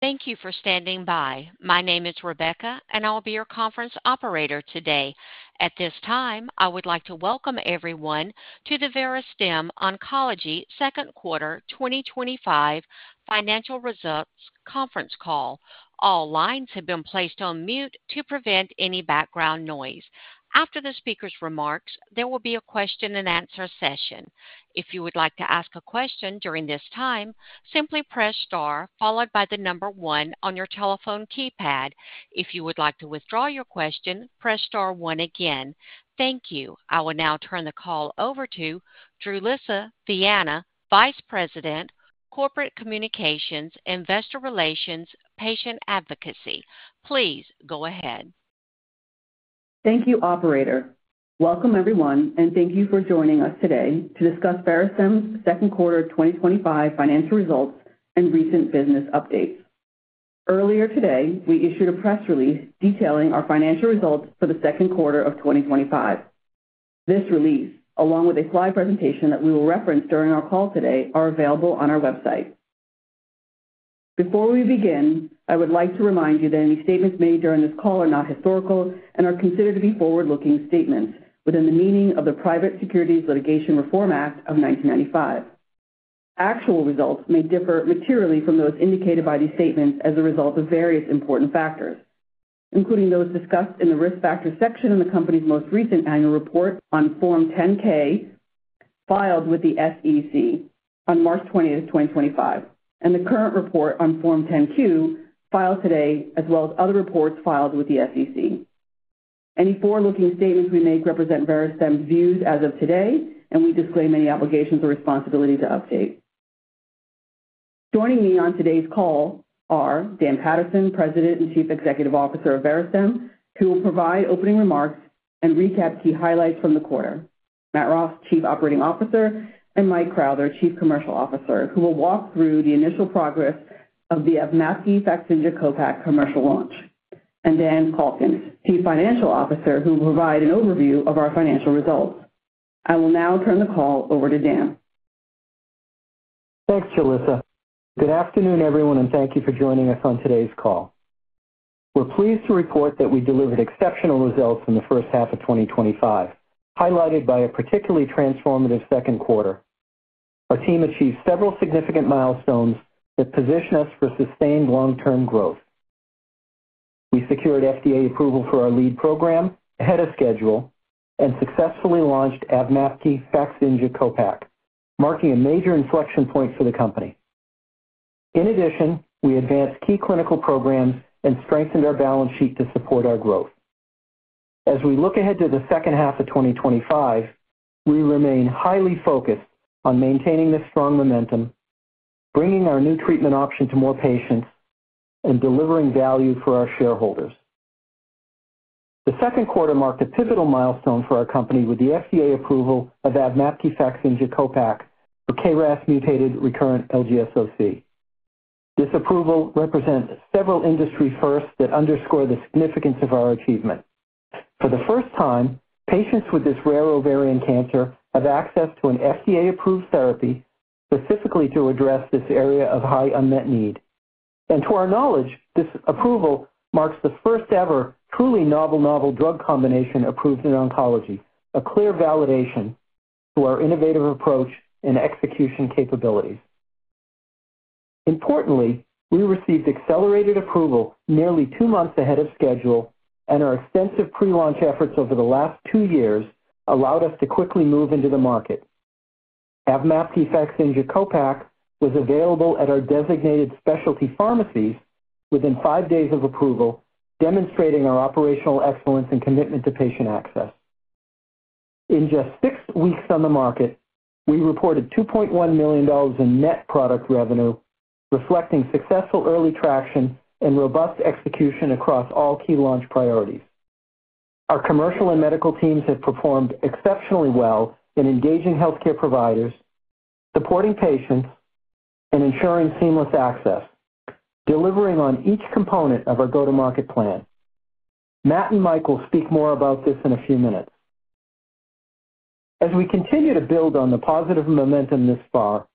Thank you for standing by. My name is Rebecca and I will be your conference operator today. At this time I would like to welcome everyone to the Verastem Oncology Second Quarter 2025 Financial Results Conference Call. All lines have been placed on mute to prevent any background noise. After the speaker's remarks, there will be a question and answer session. If you would like to ask a question during this time, simply press Star followed by the number one on your telephone keypad. If you would like to withdraw your question, press Star one again. Thank you. I will now turn the call over to Julissa Viana, Vice President, Corporate Communications, Investor Relations, Patient Advocacy. Please go ahead. Thank you, operator. Welcome everyone and thank you for joining us today to discuss Verastem Oncology's second quarter 2025 financial results and recent business updates. Earlier today we issued a press release detailing our financial results for the second quarter of 2025. This release, along with a slide presentation that we will reference during our call today, are available on our website. Before we begin, I would like to remind you that any statements made during this call are not historical and are considered to be forward-looking statements within the meaning of the Private Securities Litigation Reform Act of 1995. Actual results may differ materially from those indicated by these statements as a result of various important factors, including those discussed in the risk factors section in the company's most recent annual report on Form 10-K filed with the SEC on March 20, 2025 and the current report on Form 10-Q filed today, as well as other reports filed with the SEC. Any forward-looking statements we make represent Verastem Oncology's views as of today and we disclaim any obligations or responsibility to update. Joining me on today's call are Dan Paterson, President and Chief Executive Officer of Verastem Oncology, who will provide opening remarks and recap key highlights from the quarter, Matthew Ros, Chief Operating Officer, and Michael Crowther, Chief Commercial Officer, who will walk through the initial progress of the AVMAPKI FAKZYNJA CO-PACK commercial launch, and Dan Calkins, Chief Financial Officer, who will provide an overview of our financial results. I will now turn the call over to Dan. Thanks, Julissa. Good afternoon everyone and thank you for joining us on today's call. We're pleased to report that we delivered exceptional results in the first half of 2025, highlighted by a particularly transformative second quarter. Our team achieved several significant milestones that position us for sustained long term growth. We secured FDA approval for our lead program ahead of schedule and successfully launched AVMAPKI FAKZYNJA CO-PACK, marking a major inflection point for the company. In addition, we advanced key clinical programs and strengthened our balance sheet to support our growth. As we look ahead to the second half of 2025, we remain highly focused on maintaining this strong momentum, bringing our new treatment option to more patients and delivering value for our shareholders. The second quarter marked a pivotal milestone for our company with the FDA approval of AVMAPKI FAKZYNJA CO-PACK for KRAS-mutated recurrent low-grade serous ovarian cancer (LGSOC). This approval represents several industry firsts that underscore the significance of our achievement. For the first time, patients with this rare ovarian cancer have access to an FDA approved therapy specifically to address this area of high unmet need. To our knowledge, this approval marks the first ever truly novel drug combination approved in oncology, a clear validation to our innovative approach and execution capabilities. Importantly, we received accelerated approval nearly two months ahead of schedule and our extensive prelaunch efforts over the last two years allowed us to quickly move into the market. AVMAPKI FAKZYNJA CO-PACK was available at our designated specialty pharmacies within five days of approval, demonstrating our operational excellence and commitment to patient access. In just six weeks on the market we reported $2.1 million in net product revenue, reflecting successful early traction and robust execution across all key launch priorities. Our commercial and medical teams have performed exceptionally well in engaging healthcare providers, supporting patients and ensuring seamless access, delivering on each component of our go to market plan. Matt and Mike will speak more about this in a few minutes. As we continue to build on the positive momentum thus far,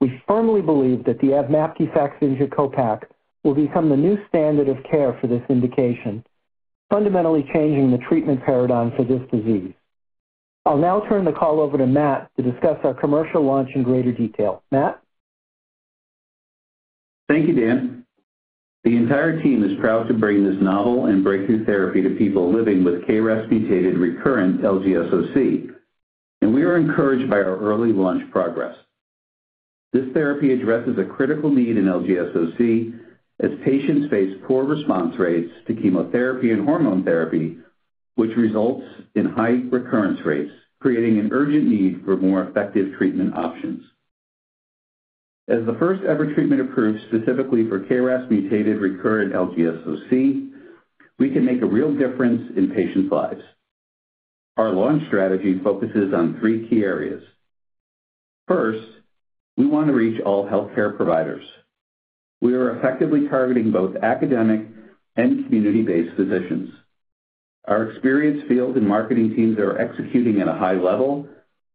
we firmly believe that the AVMAPKI FAKZYNJA CO-PACK will become the new standard of care for this indication, fundamentally changing the treatment paradigm for this disease. I'll now turn the call over to Matt to discuss our commercial launch in greater detail. Matt. Thank you, Dan. The entire team is proud to bring this novel and breakthrough therapy to people living with KRAS-mutated recurrent LGSOC, and we are encouraged by our early launch progress. This therapy addresses a critical need in LGSOC, as patients face poor response rates to chemotherapy and hormone therapy, which results in high recurrence rates, creating an urgent need for more effective treatment options. As the first ever treatment approved specifically for KRAS-mutated recurrent LGSOC, we can make a real difference in patients' lives. Our launch strategy focuses on three key areas. First, we want to reach all healthcare providers. We are effectively targeting both academic and community-based physicians. Our experienced field and marketing teas are executing at a high level,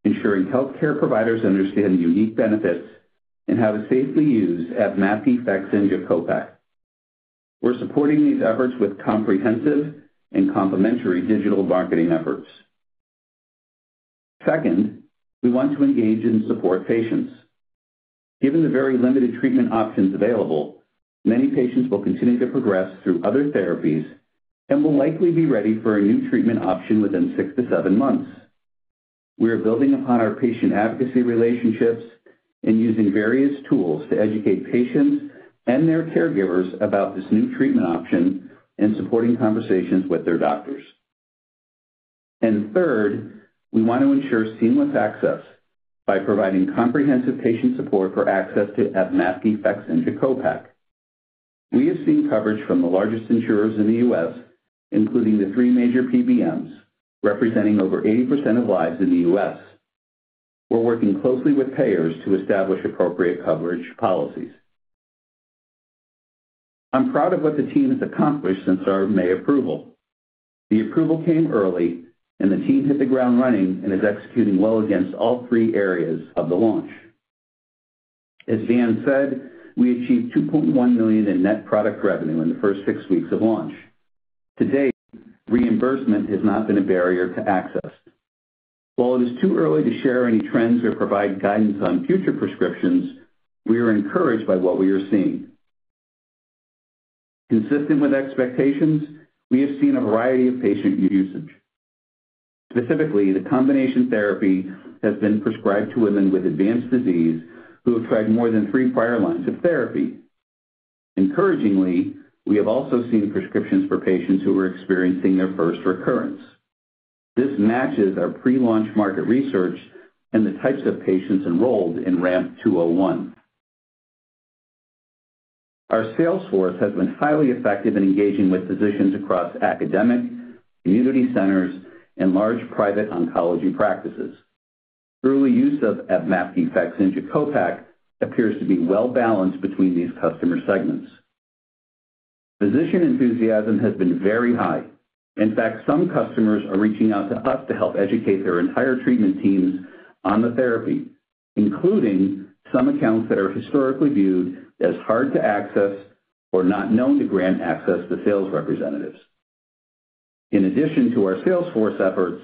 ensuring healthcare providers understand the unique benefits and how to safely use AVMAPKI FAKZYNJA CO-PACK. We're supporting these efforts with comprehensive and complementary digital marketing efforts. Second, we want to engage and support patients, given the very limited treatment options available. Many patients will continue to progress through other therapies and will likely be ready for a new treatment option within six to seven months. We are building upon our patient advocacy relationships and using various tools to educate patients and their caregivers about this new treatment option, and supporting conversations with their doctors. Third, we want to ensure seamless access by providing comprehensive patient support for access to AVMAPKI FAKZYNJ CO-PACK. We have seen coverage from the largest insurers in the U.S., including the three major PBMs representing over 80% of lives in the U.S. We're working closely with payers to establish appropriate coverage policies. I'm proud of what the team has accomplished since our May approval. The approval came early, and the team hit the ground running and is executing well against all three areas of the launch. As Dan said, we achieved $2.1 million in net product revenue in the first six weeks of launch. To date, reimbursement has not been a barrier to access. While it is too early to share any trends or provide guidance on future prescriptions, we are encouraged by what we are seeing. Consistent with expectations, we have seen a variety of patient usage. Specifically, the combination therapy has been prescribed to women with advanced disease who have tried more than three prior lines of therapy. Encouragingly, we have also seen prescriptions for patients who were experiencing their first recurrence. This matches our prelaunch market research and the types of patients enrolled in RAMP 201. Our sales force has been highly effective in engaging with physicians across academic community centers and large private oncology practices. Early use of AVMAPKI FAKZYNJA CO-PACK appears to be well balanced between these customer segments. Physician enthusiasm has been very high. In fact, some customers are reaching out to us to help educate their entire treatment team on the therapy, including some accounts that are historically viewed as hard to access or not known to grant access to sales representatives. In addition to our sales force efforts,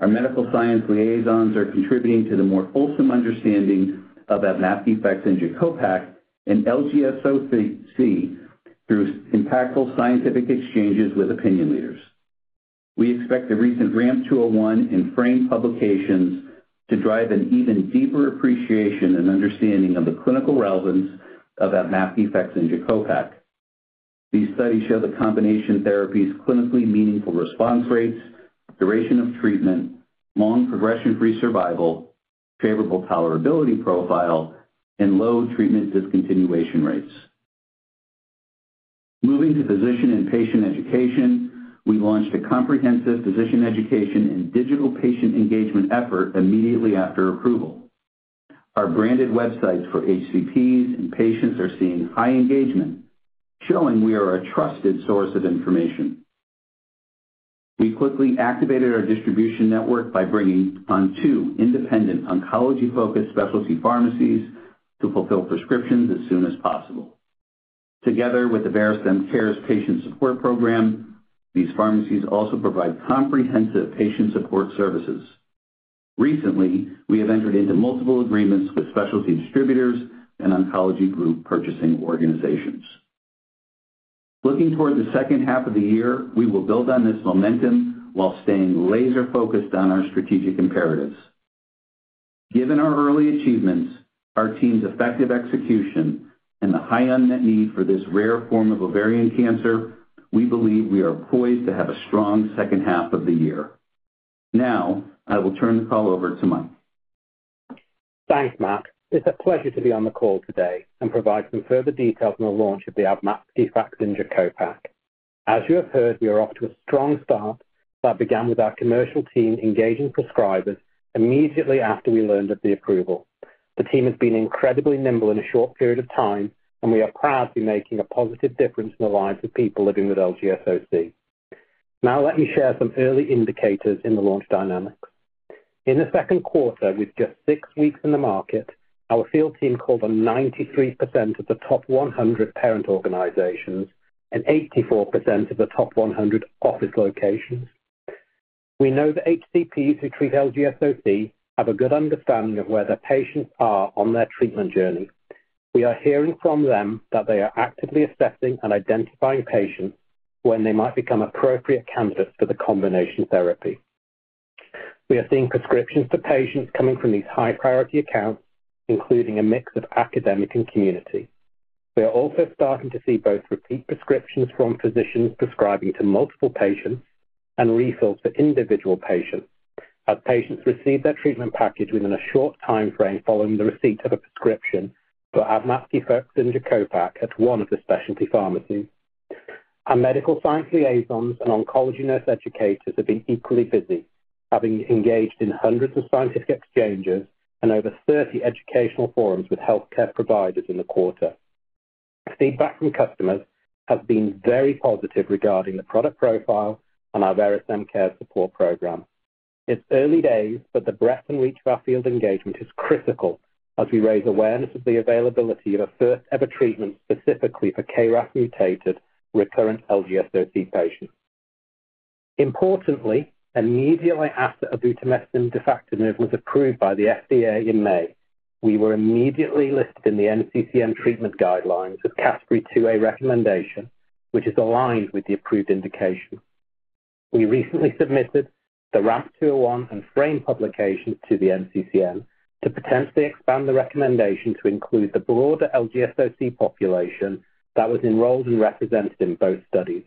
our medical science liaisons are contributing to the more fulsome understanding of FAK defects, engine, CO-PACK and LGSOC. Through impactful scientific exchanges with opinion leaders, we expect the recent RAMP 201 in-frame publications to drive an even deeper appreciation and understanding of the clinical relevance of MAPK defects in KRAS. These studies show the combination therapy's clinically meaningful response rates, duration of treatment, long progression free survival, favorable tolerability profile, and low treatment discontinuation rates. Moving to physician and patient education, we launched a comprehensive physician education and digital patient engagement effort. Immediately after approval, our branded websites for HCPs and patients are seeing high engagement, showing we are a trusted source of information. We quickly activated our distribution network by bringing on two independent oncology-focused specialty pharmacies to fulfill prescriptions as soon as possible. Together with the Verastem CARES patient support program, these pharmacies also provide comprehensive patient support services. Recently, we have entered into multiple agreements with specialty distributors and oncology group purchasing organizations. Looking toward the second half of the year, we will build on this momentum while staying laser focused on our strategic imperatives. Given our early achievements, our team's effective execution and the high unmet need for this rare form of ovarian cancer, we believe we are poised to have a strong second half of the year. Now I will turn the call over to Mike. Thanks Matt. It's a pleasure to be on the call today and provide some further details on the launch of the AVMAPKI FAKZYNJA CO-PACK. As you have heard, we are off to a strong start that began with our commercial team engaging prescribers immediately after we learned of the approval. The team has been incredibly nimble. A short period of time and we are proud to be making a positive difference in the lives of people living with LGSOC. Now let me share some early indicators in the launch dynamics. In the second quarter, with just six weeks in the market, our field team called on 93% of the top 100 parent organizations and 84% of the top 100 ordered locations. We know that HCPs who treat LGSOC have a good understanding of where their patients are on their treatment journey. We are hearing from them that they are actively assessing and identifying patients when they might become appropriate candidates for the combination therapy. We are seeing prescriptions for patients coming from these high priority accounts, including a mix of academic and community. We are also starting to see both repeat prescriptions from physicians prescribing to multiple patients and refills for individual patients as patients receive their treatment package within a short time frame following the receipt of a prescription for AVMAPKI FAKZYNJA CO-PACK at one of the specialty pharmacies. Our medical science liaisons and oncology nurse educators have been equally busy, having engaged in hundreds of scientific exchanges and over 30 educational forums with healthcare providers in the quarter. Feedback from customers has been very positive regarding the product profile and our Verastem Care support program. It's early days, but the breadth and reach of our field engagement is critical as we raise awareness of the availability of a first ever treatment specifically for KRAS-mutated recurrent low-grade serous ovarian cancer patients. Importantly, immediately after AVMAPKI FAKZYNJA CO-PACK was approved by the FDA in May, we were immediately listed in the NCCN treatment guidelines for category 2A, a recommendation which is aligned with the approved indication. We recently submitted the RAMP 201 and FRAME publication to the NCCN to potentially expand the recommendation to include the broader LGSOC population that was enrolled and represented in both studies.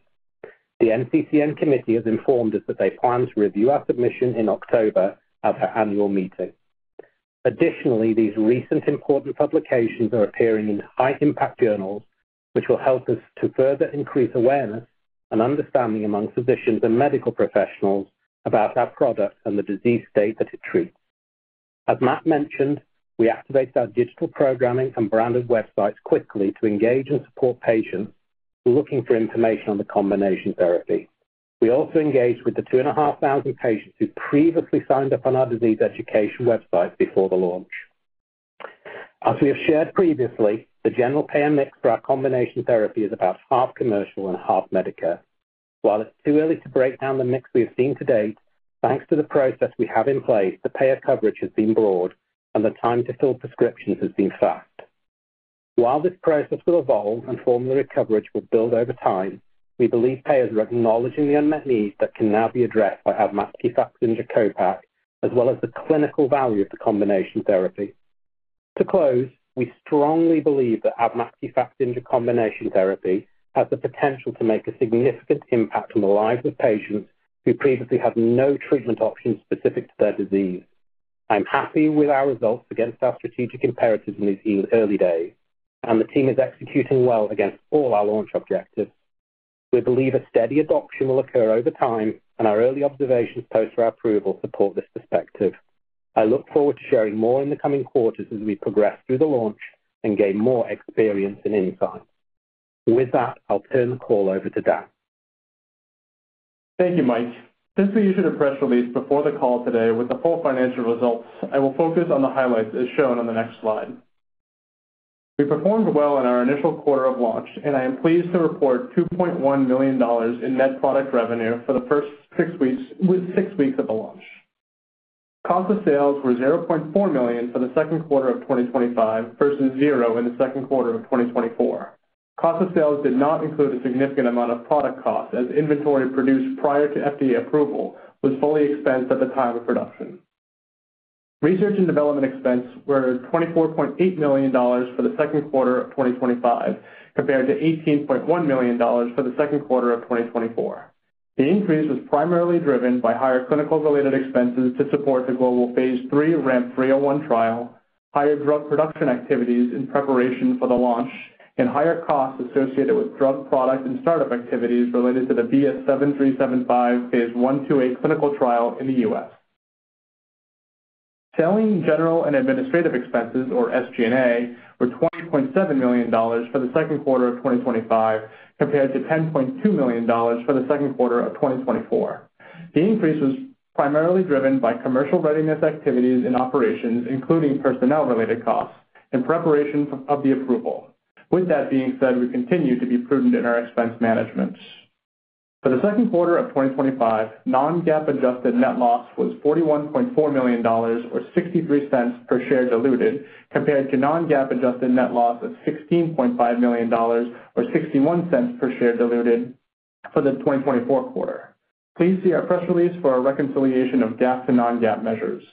The NCCN committee has informed us that they plan to review our submission in October at their annual meeting. Additionally, these recent important publications are appearing in high impact journals, which will help us to further increase awareness and understanding among physicians and medical professionals about our product and the disease state that it treats. As Matt mentioned, we activate our digital programming and branded websites quickly to engage and support patients looking for information on the combination therapy. We also engage with the 2,500 patients who previously signed up on our disease education website before the launch. As we have shared previously, the general payer mix for our combination therapy is about half commercial and half Medicare. While it's too early to break down the mix we have seen today, thanks to the process we have in place, the payer coverage has been broad and the time to fill prescriptions has been fast. While this process will evolve and formulary coverage will build over time, we believe payers are acknowledging the unmet needs that can now be addressed by AVMAPKI FAKZYNJA CO-PACK as well as the clinical value of the combination therapy. We strongly believe that AVMAPKI FAKZYNJA CO-PACK combination therapy has the potential to make a significant impact on the lives of patients who previously had no treatment options specific to their disease. I'm happy with our results against our strategic imperatives in these early days and the team is executing well against all our launch objectives. We believe a steady adoption will occur over time and our early observations post FDA approval support this perspective. I look forward to sharing more in the coming quarters as we progress through the launch and gain more experience and insight. With that, I'll turn the call over to Dan. Thank you, Mike. Since we issued a press release before the call today with the full financial results, I will focus on the highlights as shown on the next slide. We performed well in our initial quarter of launch, and I am pleased to report $2.1 million in net product revenue for the first six weeks. With six weeks of the launch, conquest sales were $0.4 million for the second quarter of 2025 versus $0 in the second quarter of 2024. Cost of sales did not include a significant amount of product cost as inventory produced prior to FDA approval was fully expensed at the time of production. Research and development expense was $24.8 million for the second quarter of 2025 compared to $18.1 million for the second quarter of 2024. The increase was primarily driven by higher clinical-related expenses to support the global Phase 3 RAMP 301 trial, higher drug production activities in preparation for the launch, and higher costs associated with drug product and startup activities related to the VS-7375 Phase 1/2a clinical trial in the U.S. Selling, general, and administrative expenses, or SG&A, were $20.7 million for the second quarter of 2025 compared to $10.2 million for the second quarter of 2024. The increase was primarily driven by commercial readiness activities in operations, including personnel-related costs in preparation of the approval. With that being said, we continue to be prudent in our expense management. For the second quarter of 2025, non-GAAP adjusted net loss was $41.4 million or $0.63 per share diluted compared to non-GAAP adjusted net loss of $16.5 million or $0.61 per share diluted for the 2024 quarter. Please see our press release for a reconciliation of GAAP to non-GAAP measures.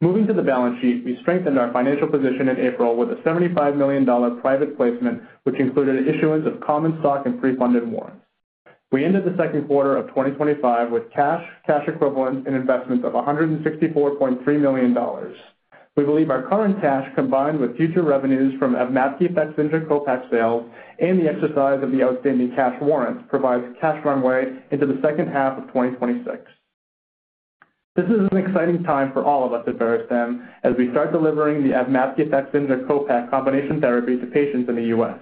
Moving to the balance sheet, we strengthened our financial position in April with a $75 million private placement, which included issuance of common stock and pre-funded warrants. We ended the second quarter of 2025 with cash, cash equivalents, and investments of $164.3 million. We believe our current cash combined with future revenues from sale and the exercise of the outstanding cash warrant provides into the second half of 2026. This is an exciting time for all of us at Verastem Oncology as we start delivering the AVMAPKI FAKZYNJA CO-PACK combination therapy to patients n the U.S.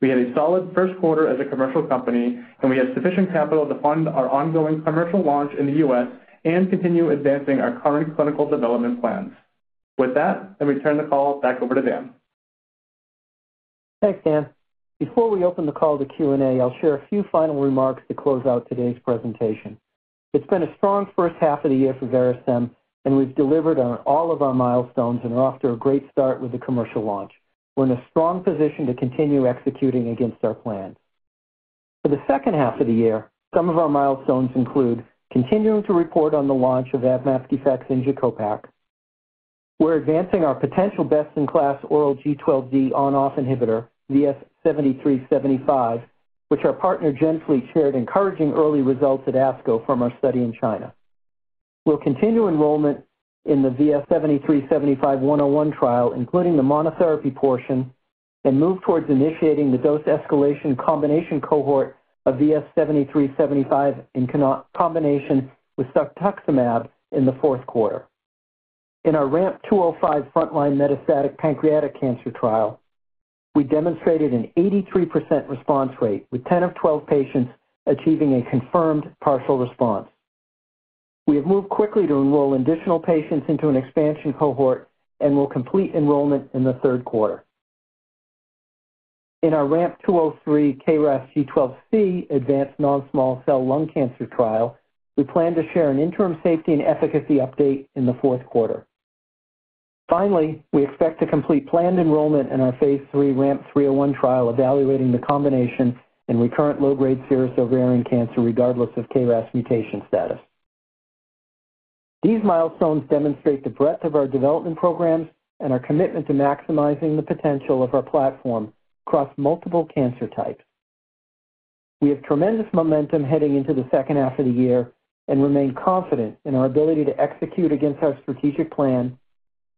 We had a solid first quarter as a commercial company, and we have sufficient capital to fund our ongoing commercial launch in the U.S. and continue advancing our current clinical development plans. With that, let me turn the call back over to Dan. Thanks Dan. Before we open the call to Q&A, I'll share a few final remarks to close out today's presentation. It's been a strong first half of the year for Verastem Oncology and we've delivered on all of our milestones and are off to a great start with the commercial launch. We're in a strong position to continue executing against our plan for the second half of the year. Some of our milestones include continuing to report on the launch of AVMAPKI FAKZYNJA CO-PACK. We're advancing our potential best-in-class oral G12D inhibitor VS-7375, which our partner GenFleet shared, encouraging early results at ASCO from our study in China. We'll continue enrollment in the VS-7375-101 trial, including the monotherapy portion, and move towards initiating the dose escalation combination cohort of VS-7375 in combination with cetuximab in the fourth quarter. In our RAMP 205 frontline metastatic pancreatic cancer trial, we demonstrated an 83% response rate with 10 of 12 patients achieving a confirmed partial response. We have moved quickly to enroll additional patients into an expansion cohort and will complete enrollment in the third quarter. In our RAMP 203 KRASG12C advanced non-small cell lung cancer trial. We plan to share an interim safety and efficacy update in the fourth quarter. Finally, we expect to complete planned enrollment in our Phase 3 RAMP 301 trial evaluating the combination in recurrent low-grade serous ovarian cancer regardless of KRAS mutation status. These milestones demonstrate the breadth of our development programs and our commitment to maximizing the potential of our platform across multiple cancer types. We have tremendous momentum heading into the second half of the year and remain confident in our ability to execute against our strategic plan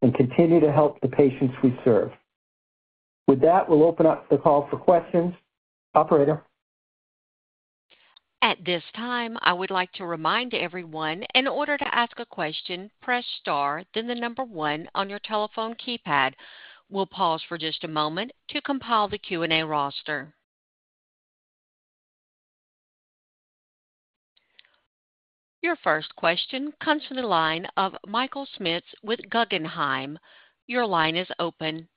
and continue to help the patients we serve. With that, we'll open up the call for questions. Operator. At this time I would like to remind everyone in order to ask a question, press Star, then the number one on your telephone keypad. We'll pause for just a moment to compile the Q&A roster. Your first question comes from the line of Michael Schmitz with Guggenheim. Your line is open.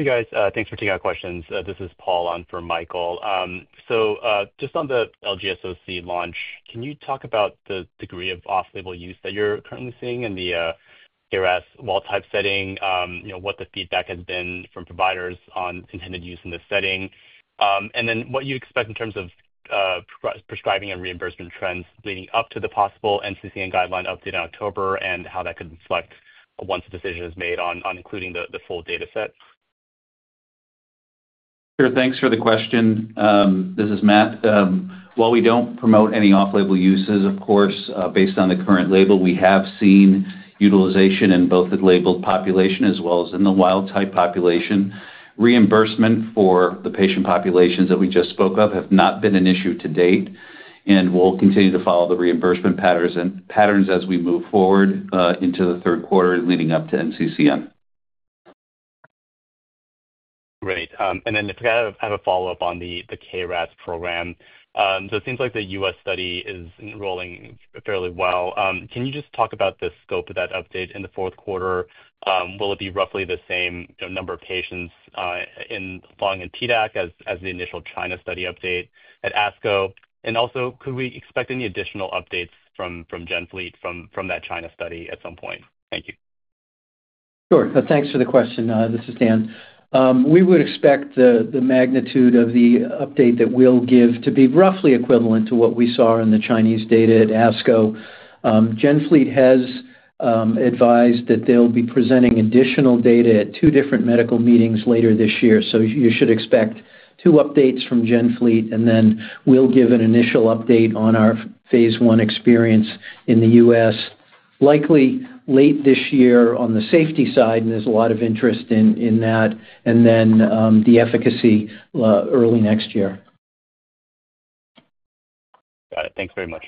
Hey guys, thanks for taking our questions. This is Paul on for Michael. On the LGSOC launch, can you talk about the degree of off label use that you're currently seeing in the ARS wall type setting, what the feedback has been from providers on intended use in this setting, and what you expect in terms of prescribing and reimbursement trends leading up to the possible NCCN guideline update in October and how that could inflect once a decision is made on including the full data set? Thanks for the question. This is Matt. While we don't promote any off label uses, of course, based on the current label, we have seen utilization in both the labeled population as well as in the wild type population. Reimbursement for the patient populations that we just spoke of have been an issue to date, and we'll continue to follow the reimbursement patterns as we move forward into the third quarter leading up to NCCN. Great. If I have a follow up on the KRAS program, it seems like the U.S. study is enrolling fairly well. Can you just talk about the scope of that update in the fourth quarter? Will it be roughly the same number of patients in lung and TDAC as the initial China study update at ASCO? Also, could we expect any additional updates from GenFleet from that China study at some point? Thank you. Sure. Thanks for the question. This is Dan. We would expect the magnitude of the update that we'll give to be roughly equivalent to what we saw in the Chinese data at ASCO. GenFleet has advised that they'll be presenting additional data at two different medical meetings later this year. You should expect two updates from GenFleet, and then we'll give an initial update on our phase one experience in the U.S. likely late this year on the safety side. There's a lot of interest in that, and then the efficacy early next year. Got it. Thanks very much.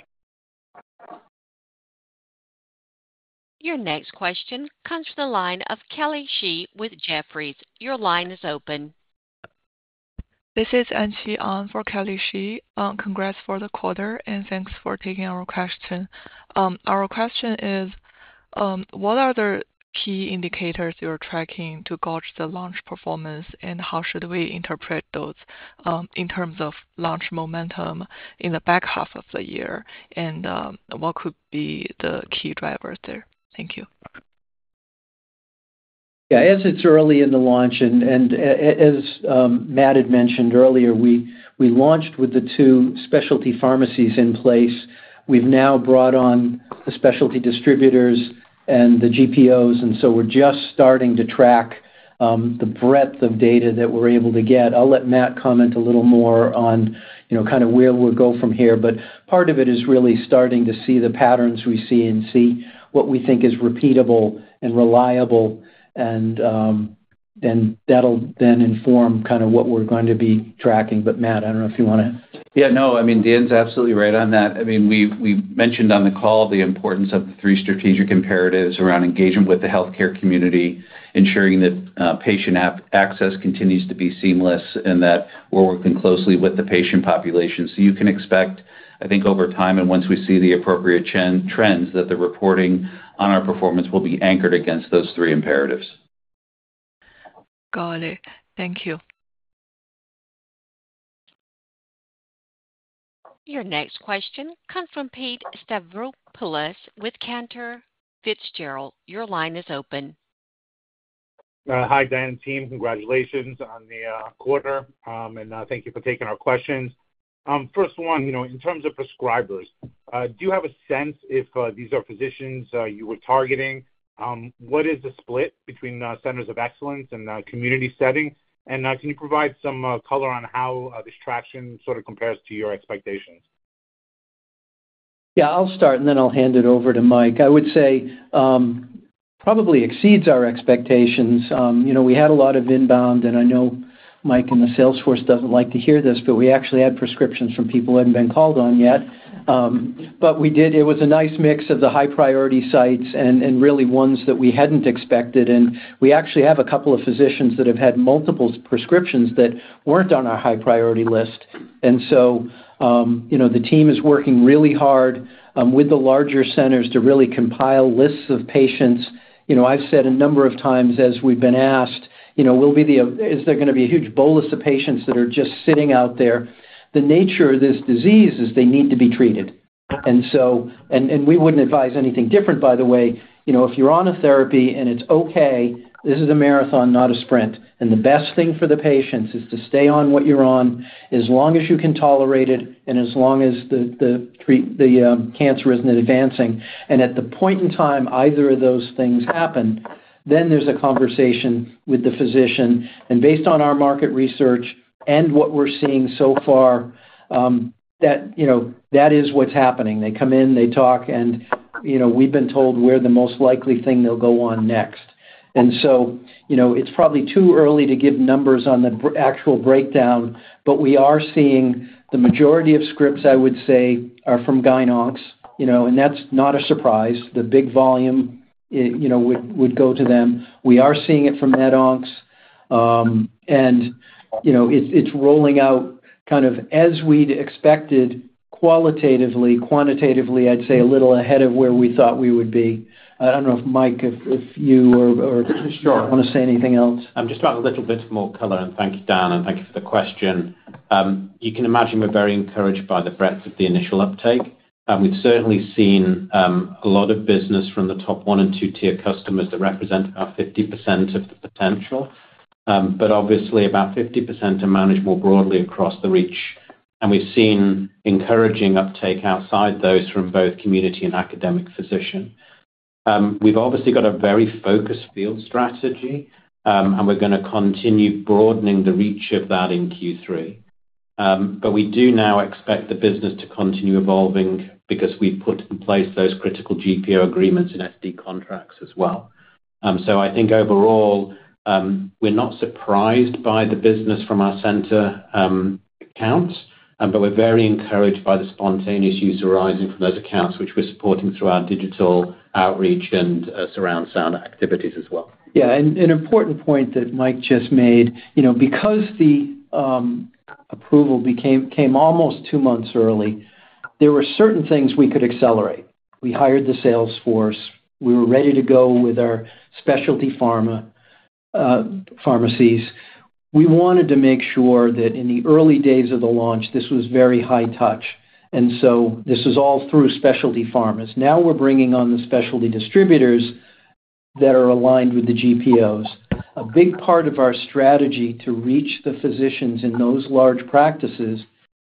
Your next question comes from the line of Kelly Hsieh with Jefferies. Your line is open. This is Anxi An for Kelly Shi. Congrats for the quarter and thanks for taking our question. Our question is what are the key indicators you're tracking to gauge the launch performance and how should we interpret those in terms of launch momentum in the back half of the year and what could be the key drivers there? Thank you. Yeah. As it's early in the launch and as Matt had mentioned earlier, we launched with the two specialty pharmacies in place. We've now brought on the specialty distributors and the group purchasing organizations. We're just starting to track the breadth of data that we're able to get. I'll let Matt comment a little more on kind of where we'll go from here. Part of it is really starting to see the patterns we see and see what we think is repeatable and reliable and that'll then inform kind of what we're going to be tracking. Matt, I don't know if you want to. Yeah, no, I mean, Dan's absolutely right on that. I mean, we mentioned on the call the importance of the three strategic imperatives around engagement with the healthcare community, ensuring that patient access continues to be seamless, and that we're working closely with the patient population. You can expect, I think, over time and once we see the appropriate trends, that the reporting on our performance will be anchored against those three imperatives. Got it. Thank you. Your next question comes from Pete Stavropoulos with Cantor Fitzgerald. Your line is open. Hi, Dan. Team, congratulations on the quarter and thank you for taking our questions. First one, in terms of prescribers, do you have a sense if these are physicians you were targeting, what is the split between centers of excellence and community setting? Can you provide some color on how this traction sort of compares to your expectations? Yeah, I'll start and then I'll hand it over to Mike. I would say probably exceeds our expectations. We had a lot of inbound, and I know Mike and the salesforce don't like to hear this, but we actually had prescriptions from people who hadn't been called on yet. It was a nice mix of the high priority sites and really ones that we hadn't expected. We actually have a couple of physicians that have had multiple prescriptions that weren't on our high priority list. The team is working really hard with the larger centers to really compile lists of patients. I've said a number of times as we've been asked, is there going to be a huge bolus of patients that are just sitting out there? The nature of this disease is they need to be treated. We wouldn't advise anything different, by the way. If you're on a therapy and it's okay, this is a marathon, not a sprint. The best thing for the patients is to stay on what you're on as long as you can tolerate it and as long as the cancer isn't advancing. At the point in time either of those things happen, then there's a conversation with the physician. Based on our market research and what we're seeing so far, that is what's happening. They come in, they talk, and we've been told we're the most likely thing they'll go on next. It's probably too early to give numbers on the actual breakdown, but we are seeing the majority of scripts, I would say, are from gyn oncs, and that's not a surprise. The big volume would go to them. We are seeing it from net oncs, and it's rolling out kind of as we'd expected. Qualitatively, quantitatively, I'd say a little ahead of where we thought we would be. I don't know if Mike, if you want to say anything else. I'm just. Thank you, Dan. And thank you for the question. You can imagine we're very encouraged by the breadth of the initial uptake. We've certainly seen a lot of business from the top one and two tier customers that represent about 50% of the potential, but obviously about 50% are managed more broadly across the reach. We've seen encouraging uptake outside those from both community and academic physician. We've obviously got a very focused field strategy and we're going to continue broadening the reach of that in Q3. We do now expect the business to continue evolving because we've put in place those critical group purchasing organization agreements and SD contracts as well. I think overall, we're not surprised by the business from our center, but we're very encouraged by the spontaneous use arising from those accounts, which we're supporting through our digital outreach and surround sound activities as well. Yeah, an important point that Mike just made, you know, because the approval came almost two months early, there were certain things we could accelerate. We hired the sales force. We were ready to go with our specialty pharmacies. We wanted to make sure that in the early days of the launch, this was very high touch. This is all through specialty pharmacies. Now we're bringing on the specialty distributors that are aligned with the group purchasing organizations. A big part of our strategy to reach the physicians in those large practices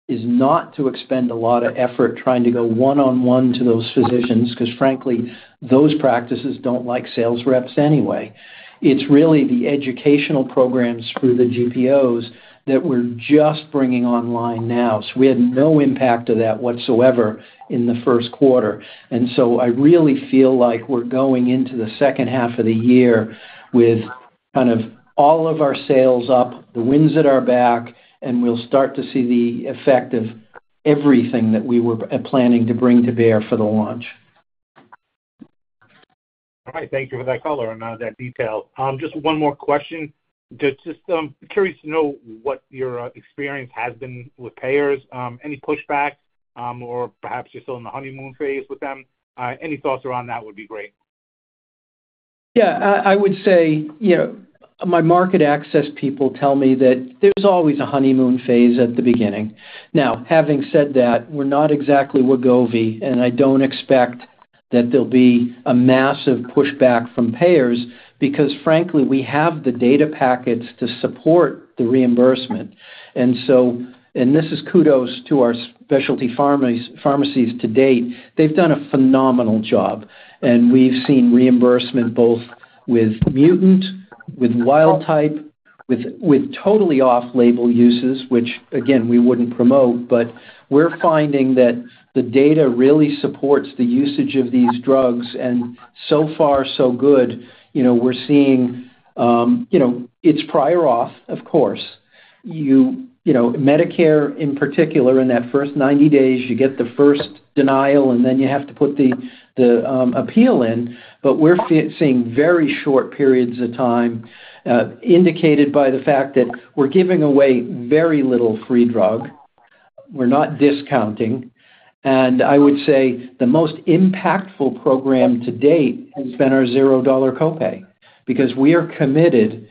is not to expend a lot of effort trying to go one on one to those physicians because, frankly, those practices don't like sales reps anyway. It's really the educational programs through the group purchasing organizations that we're just bringing online now. We had no impact of that whatsoever in the first quarter. I really feel like we're going into the second half of the year with kind of all of our sails up, the wind at our back. We'll start to see the effect of everything that we were planning to bring to bear for the launch. All right, thank you for that color and that detail. Just one more question. Just curious to know what your experience has been with payers. Any pushback or perhaps you're still in the honeymoon phase with them. Any thoughts around that would be great. Yeah, I would say my market access people tell me that there's always a honeymoon phase at the beginning. Now, having said that, we're not exactly Wegovy. I don't expect that there'll be a massive pushback from payers because frankly, we have the data packets to support the reimbursement. This is kudos to our specialty pharmacies. Pharmacies to date, they've done a phenomenal job. We've seen reimbursement both with mutant, with wild type, with totally off-label uses, which again, we wouldn't promote. We're finding that the data really supports the usage of these drugs. So far, so good. We're seeing it's prior auth, of course. Medicare in particular, in that first 90 days, you get the first denial and then you have to put the appeal in. We're seeing very short periods of time indicated by the fact that we're giving away very little free drug. We're not discounting and I would say the most impactful program to date has been our $0 copay because we are committed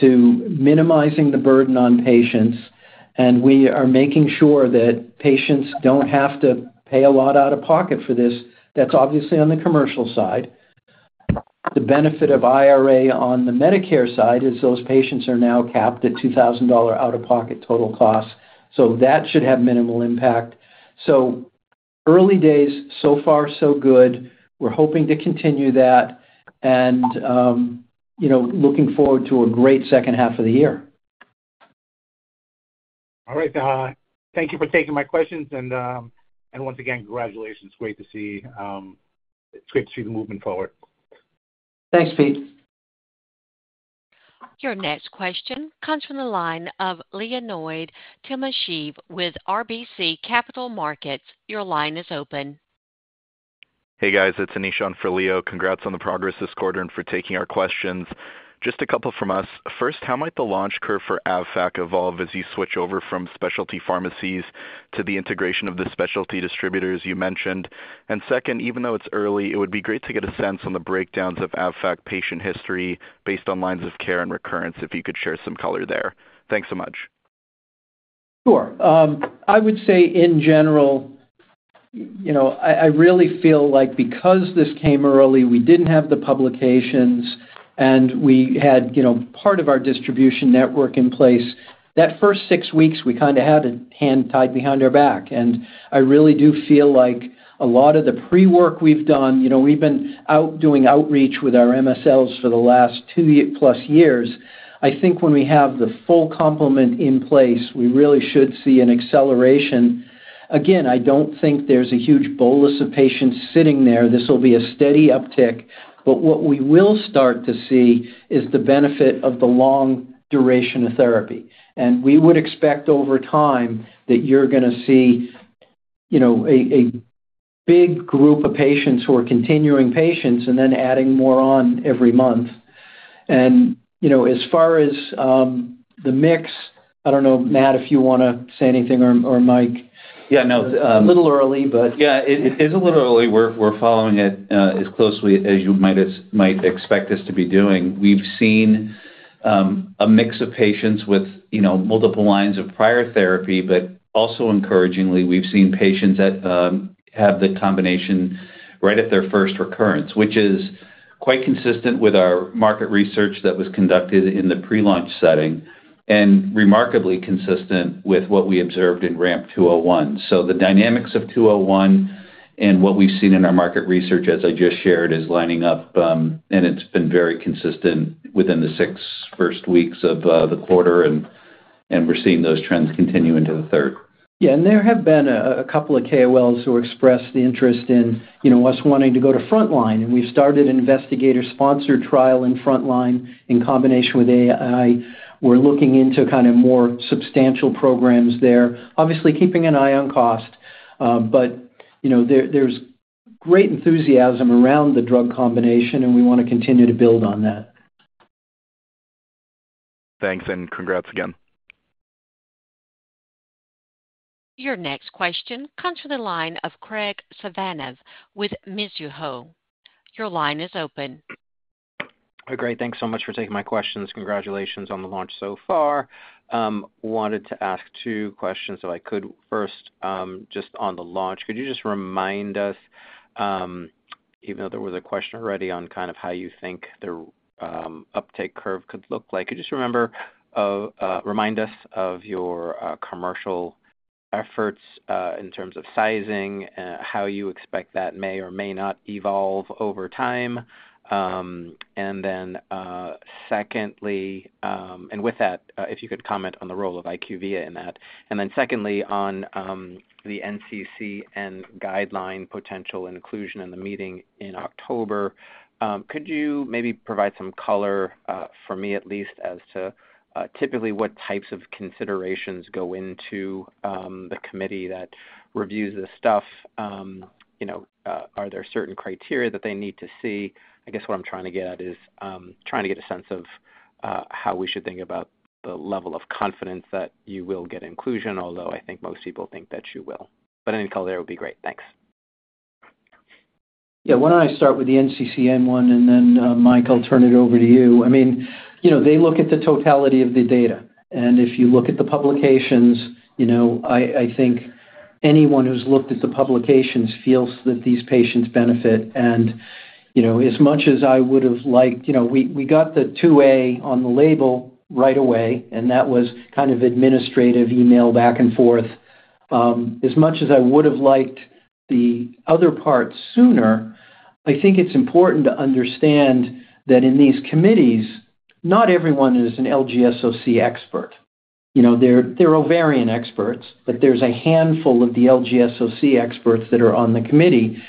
to minimizing the burden on patients and we are making sure that patients don't have to pay a lot out of pocket for this. That's obviously on the commercial side. The benefit of IRA on the Medicare side is those patients are now capped at $2,000 out of pocket total costs. That should have minimal impact. Early days. So far so good. We're hoping to continue that and looking forward to a great second half of the year. All right, thank you for taking my questions and once again, congratulations. Great to see. It's good to see the movement forward. Thanks, Pete. Your next question comes from the line of Leonid Timashev with RBC Capital Markets. Your line is open. Hey guys, it's Anisha for Leo. Congrats on the progress this quarter and for taking our questions. Just a couple from us. First, how might the launch curve for AVMAPKI FAKZYNJA CO-PACK evolve as you switch over from specialty pharmacies to the integration of the specialty distributors you mentioned? Second, even though it's early, it would be great to get a sense on the breakdowns of AVMAPKI FAKZYNJA CO-PACK patient history based on lines of care and recurrence. If you could share some color there. Thanks so much.. Sure. I would say in general, you know, I really feel like because this came early, we didn't have the publications and we had, you know, part of our distribution network in place. That first six weeks we kind of had a hand tied behind our back, and I really do feel like a lot of the pre work we've done, you know, we've been out doing outreach with our MSLs for the last two plus years. I think when we have the full complement in place, we really should see an acceleration again. I don't think there's a huge bolus of patients sitting there. This will be a steady uptick. What we will start to see is the benefit of the long duration of therapy. We would expect over time that you're going to see a big group of patients who are continuing patients and then adding more on every month. As far as the mix, I don't know, Matt, if you want to say anything or. Mike? Yeah, no, a little early, but yeah. It is a little early. We're following it as closely as you might expect us to be doing. We've seen a mix of patients with multiple lines of prior therapy. Also, encouragingly, we've seen patients that have the combination right at their first recurrence, which is quite consistent with our market research that was conducted in the prelaunch setting and remarkably consistent with what we observed in RAMP 201. The dynamics of 201 and what we've seen in our market research, as I just shared, is lining up. It's been very consistent within the first six weeks of the quarter and we're seeing those trends continue into the third. Yeah, there have been a couple of KOLs who expressed the interest in, you know, us wanting to go to Frontline and we started investigator sponsor trial in Frontline in combination with AI. We're looking into kind of more substantial programs there, obviously keeping an eye on cost. You know, there's great enthusiasm around the drug combination and we want to continue to build on that. Thanks, and congrats again. Your next question comes from the line of Craig Suvannavejh with Mizuho. Your line is open. Great. Thanks so much for taking my questions. Congratulations on the launch so far. Wanted to ask two questions. First, just on the launch, could you just remind us, even though there was a question already on kind of how you think the uptake curve could look like, could you just remind us of your commercial efforts in terms of sizing how you expect that may or may not evolve over time. If you could comment on the role of IQVA in that. Secondly, on the NCC and guideline potential inclusion in the meeting in October, could you maybe provide some color for me at least as to typically what types of considerations go into the committee that reviews this stuff? Are there certain criteria that they need to see? I guess what I'm trying to get at is trying to get a sense of how we should think about the level of confidence that you will get inclusion, although I think most people think that you will. Any color would be great. Thanks. Yeah. Why don't I start with the NCCN and then, Mike, I'll turn it over to you. I mean, you know, they look at the totality of the data, and if you look at the publications, you know, I think anyone who's looked at the publications feels that these patients benefit. As much as I would have liked, you know, we got the 2A on the label right away, and that was kind of administrative email back and forth. As much as I would have liked the other part sooner, I think it's important to understand that in these committees, not everyone is an LGSOC expert. They're ovarian experts, but there's a handful of the LGSOC experts that are on the committee,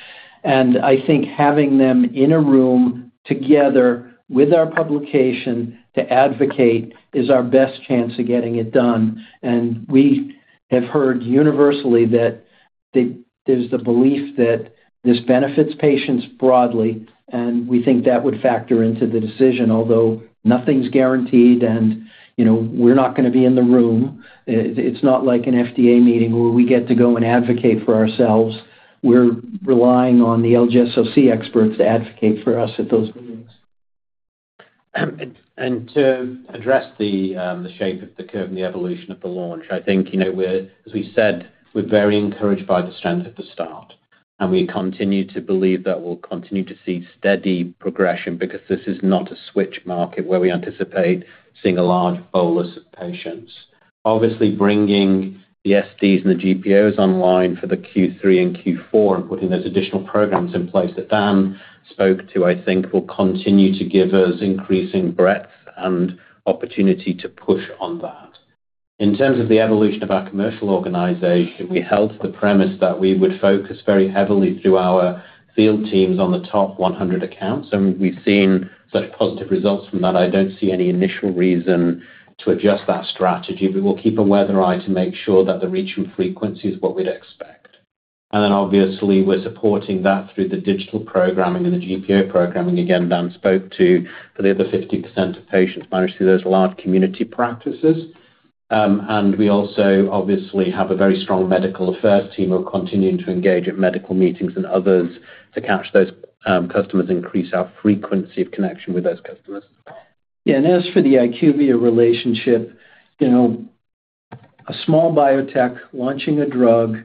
and I think having them in a room together with our publication to advocate is our best chance of getting it done. We have heard universally that there's the belief that this benefits patients broadly, and we think that would factor into the decision. Although nothing's guaranteed and, you know, we're not going to be in the room. It's not like an FDA meeting where we get to go and advocate for ourselves. We're relying on the LGSOC experts to advocate for us at those meetings. And.To address the shape of the curve and the evolution of the launch, we're, as we said, very encouraged by the strength at the start, and we continue to believe that we'll continue to see steady progression because this is not a switch market where we anticipate seeing a large bolus of patients. Obviously, bringing the SDS and the group purchasing organizations online for Q3 and Q4 and putting those additional programs in place that Dan spoke to, I think will continue to give us increasing breadth and opportunity to push on that. In terms of the evolution of our commercial organization, we held the premise that we would focus very heavily to our field teams on the top 100 accounts, and we've seen such positive results from that. I don't see any initial reason to adjust that strategy, but we'll keep a weather eye to make sure that the reaching frequency is what we'd expect. Obviously, we're supporting that through the digital programming and the group purchasing organization programming. Again, Dan spoke to for the other 50% of patients managed through those large community practices. We also obviously have a very strong medical affairs team continuing to engage at medical meetings and others to catch those customers, increase our frequency of connection with those customers. As for the IQVIA relationship, you know, a small biotech launching a drug,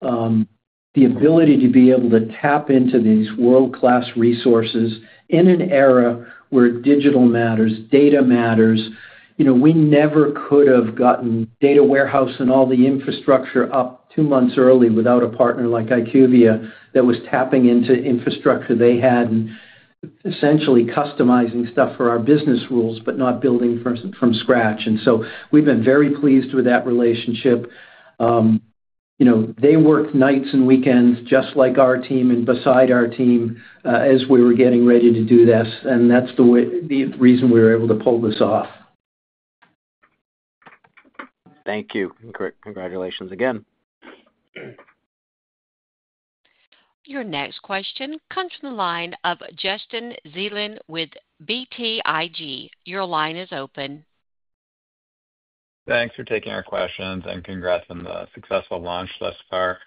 the ability to be able to tap into these world-class resources in an era where digital matters, data matters, you know, we never could have gotten data warehouse and all the infrastructure up two months early without a partner like IQVIA that was tapping into infrastructure they had and essentially customizing stuff for our business rules, but not building from scratch. We have been very pleased with that relationship. They worked nights and weekends just like our team and beside our team as we were getting ready to do this. That is the reason we were able to pull this off. Thank you. Congratulations again. Your next question comes from the line of Justin Zelin with BTIG. Your line is open. Thanks for taking our questions and congrats on the successful launch thus far.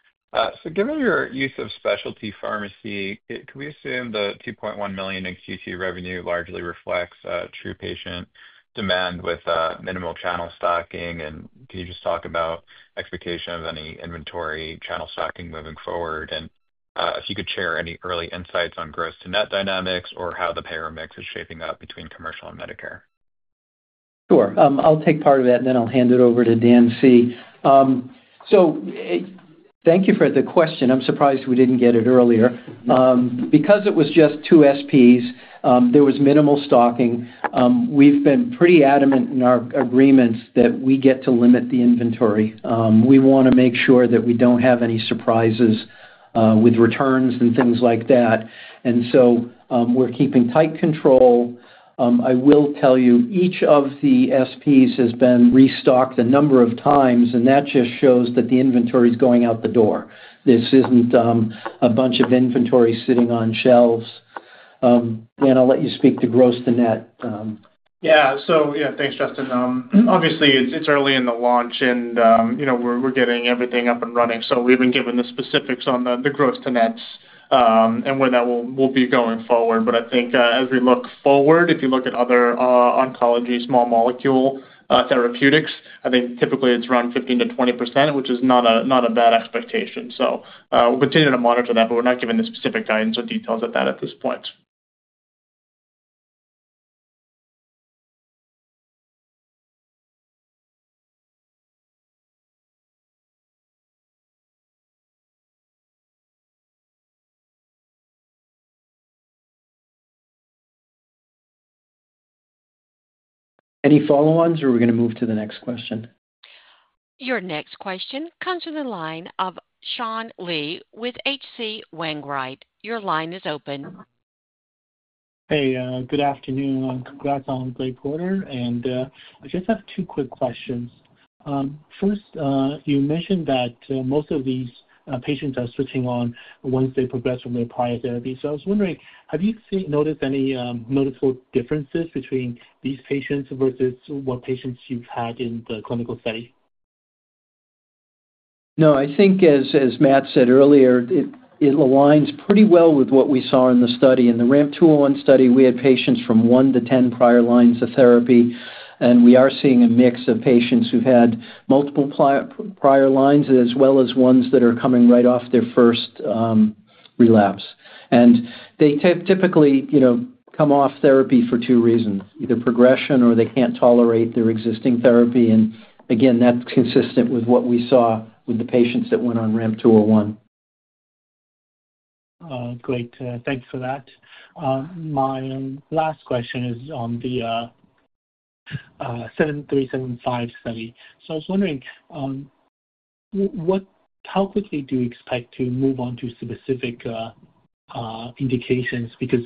Given your use of specialty pharmacy, can we assume the $2.1 million in Q2 revenue largely reflects true patient demand with minimal channel stocking? Can you just talk about expectation of any inventory channel stocking moving forward? If you could share any early insights on gross to net dynamics or how the payer mix is shaping up between commercial and Medicare? Sure, I'll take part of that and then I'll hand it over to Dan C. Thank you for the question. I'm surprised we didn't get it earlier because it was just two SPs, there was minimal stocking. We've been pretty adamant in our agreements that we get to limit the inventory. We want to make sure that we don't have any surprises with returns and things like that. We're keeping tight control. I will tell you each of the SPs has been restocked a number of times and that just shows that the inventory is going out the door. This isn't a bunch of inventory sitting on shelves. I'll let you speak to gross to net. Yeah, thanks Justin. Obviously it's early in the launch and we're getting everything up and running. We've been given the specifics on the gross to nets and where that will be going forward. I think as we look forward, if you look at other oncology small molecule therapeutics, typically it's around 15%-20% which is not a bad expectation. We'll continue to monitor that. We're not giving the specific guidance or details of that at this point. Any follow-ons, or are we going to move to the next question? Your next question comes from the line of Sean Lee with H.C. Wainwright. Your line is open. Hey, good afternoon. Congrats on great quarter. I just have two quick questions. First, you mentioned that most of these patients are switching on once they progress. From their prior therapy. I was wondering, have you noticed any noticeable differences between these patients versus what patients you've had in the clinical study? No, I think as Matt said earlier, it aligns pretty well with what we saw in the study. In the RAMP 201 study, we had patients from 1-10 prior lines of therapy, and we are seeing a mix of patients who had multiple prior lines as well as ones that are coming right off their first relapse. They typically come off therapy for two reasons, either progression or they can't tolerate their existing therapy. Again, that's consistent with what we saw with the patients that went on RAMP 201. Great, thanks for that. My last question is on the 7375 study. I was wondering how quickly do you expect to move on to specific indications? Because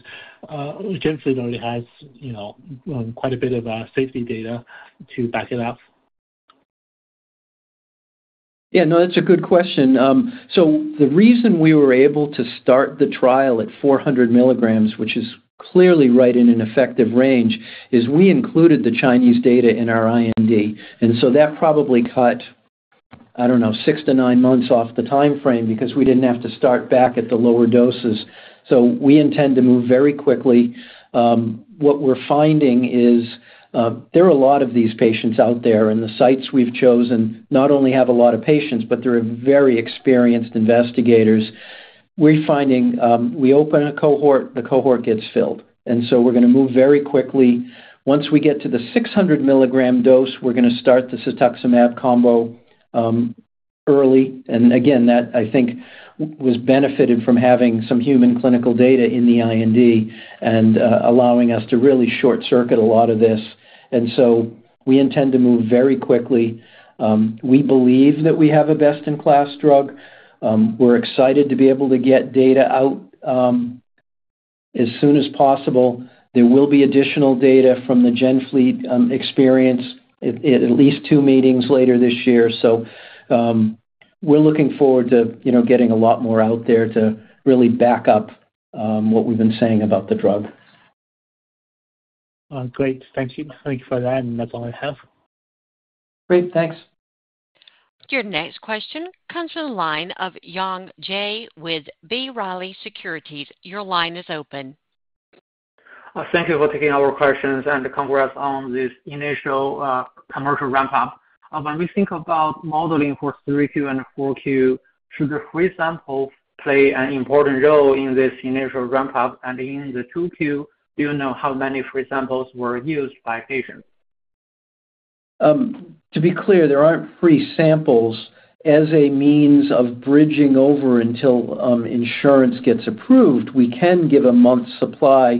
GenFleet already has, you know, quite a bit of safety data to back it up. Yeah, that's a good question. The reason we were able to start the trial at 400 mg, which is clearly right in an effective range, is we included the Chinese data in our IND and that probably cut, I don't know, six to nine months off the timeframe because we didn't have to start back at the lower doses. We intend to move very quickly. What we're finding is there are a lot of these patients out there and the sites we've chosen not only have a lot of patients but they're very experienced investigators. We're finding we open a cohort, the cohort gets filled and we're going to move very quickly. Once we get to the 600 mg dose, we're going to start the cetuximab combo early. That, I think, was benefited from having some human clinical data in the IND and allowing us to really short circuit a lot of this. We intend to move very quickly. We believe that we have a best in class drug. We're excited to be able to get data out as soon as possible. There will be additional data from the GenFleet experience at least two meetings later this year. We're looking forward to getting a lot more out there to really back up what we've been saying about the drug. Great. Thank you. Thank you for that. That's all I have. Great, thanks. Your next question comes from the line of Yong Jae with B. Riley Securities. Your line is open. Thank you for taking our questions. Congrats on this initial commercial ramp up. When we think about modeling for 3Q. For 4Q, should the free sample play. An important role in this initial ramp up? In the 2Q, do you know how many free samples were used by patients? To be clear, there aren't free samples as a means of bridging over until insurance gets approved. We can give a month's supply.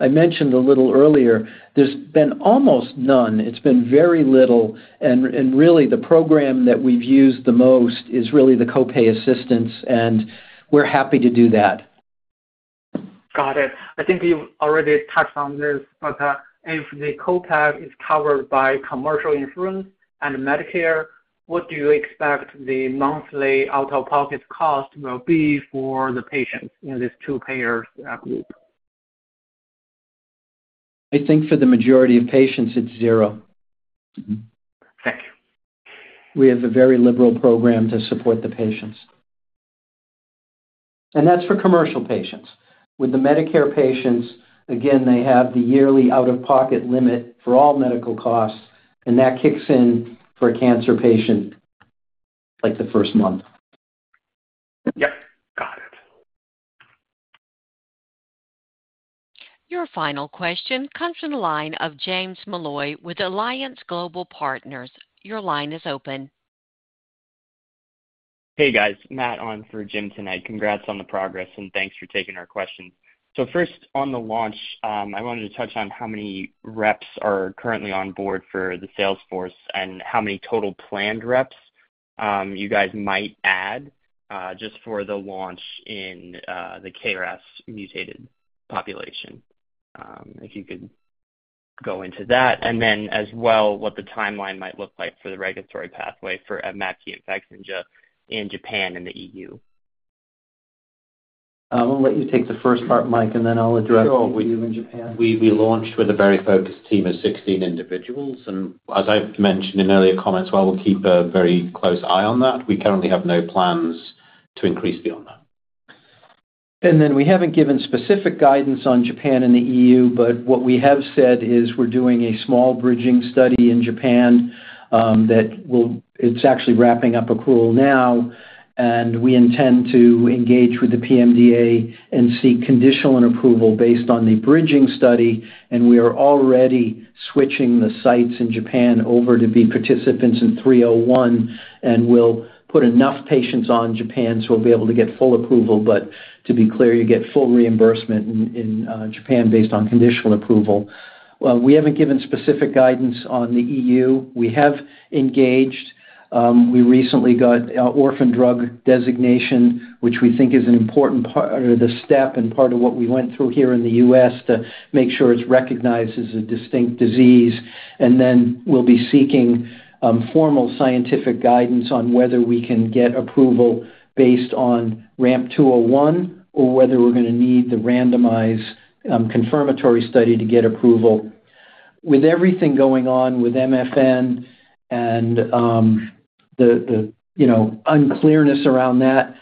I mentioned a little earlier, there's been almost none. It's been very little. The program that we've used the most is really the copay assistance and we're happy to do that. Got it. I think you've already touched on this. If the copay is covered by commercial. Insurance and Medicare, what do you expect the monthly out of pocket cost will be for the patient in this two payer group? I think for the majority of patients it's zero. We have a very liberal program to support the patients and that's for commercial patients. With the Medicare patients, they have the yearly out of pocket limit for all medical costs. That kicks in for a cancer patient like the first month. Yes, got it. Your final question comes from the line of James Malloy with Alliance Global Partners. Your line is open. Hey guys. Matt on through Jim tonight. Congrats on the progress and thanks for taking our question. First on the launch, I wanted to touch on how many reps are currently on board for the salesforce and how many total planned reps you guys might add just for the launch in the KRAS-mutated population, if you could go into that. Also, what the timeline might look like for the regulatory pathway for AVMAPKI FAKZYNJA CO-PACK in Japan and the EU. I'll let you take the first part. Mike, and then I'll address. We launched with a very focused team of 16 individuals, and as I mentioned in earlier comments, I would keep a very close eye on that. We currently have no plans to increase beyond that. We haven't given specific guidance on Japan and the EU, but what we have said is we're doing a small bridging study in Japan that will actually wrap up accrual now, and we intend to engage with the PMDA and seek conditional approval based on the bridging study. We are already switching the sites in Japan over to be participants in 301, and we'll put enough patients on in Japan so we'll be able to get full approval. To be clear, you get full reimbursement in Japan based on conditional approval. We haven't given specific guidance on the EU. We have engaged. We recently got orphan drug designation, which we think is an important part of the step and part of what we went through here in the U.S. to make sure it's recognized as a distinct disease. We'll be seeking formal scientific guidance on whether we can get approval based on RAMP 201 or whether we're going to need the randomized confirmatory study to get approval. With everything going on with MFN and the unclearness around that,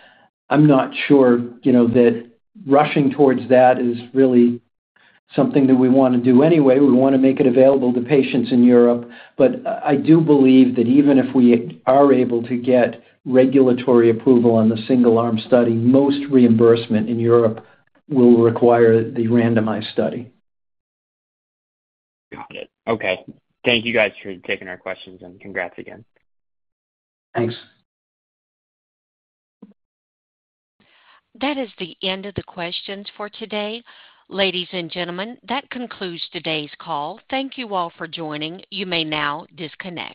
I'm not sure that rushing towards that is really something that we want to do anyway. We want to make it available to patients in Europe. I do believe that even if we are able to get regulatory approval on the single arm study, most reimbursement in Europe will require the randomized study. Got it. Okay. Thank you guys for taking our questions, and congrats again. Thanks. That is the end of the questions for today, ladies and gentlemen. That concludes today's call. Thank you all for joining. You may now disconnect.